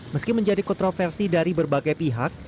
meski menjadi kontroversi dari berbagai pihak